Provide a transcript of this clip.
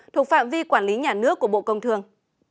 thuộc phạm vi quản lý nhà nước của bộ công thương